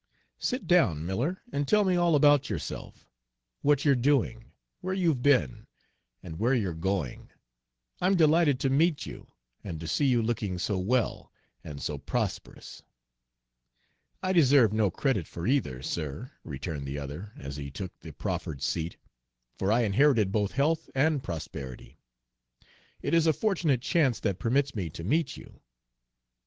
Sit down, Miller, and tell me all about yourself, what you're doing, where you've been, and where you're going. I'm delighted to meet you, and to see you looking so well and so prosperous." "I deserve no credit for either, sir," returned the other, as he took the proffered seat, "for I inherited both health and prosperity. It is a fortunate chance that permits me to meet you."